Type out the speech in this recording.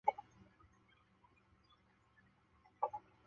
栗齿鼩鼱为鼩鼱科鼩鼱属的动物。